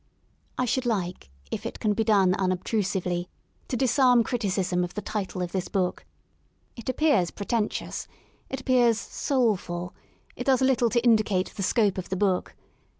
I should like, if it can be done unobtrusively, to dis arm criticism of the title of this book. It appears pre tentious; it appears "soul ful"; it does little to in dicate the scope of the book.